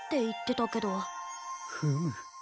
フム。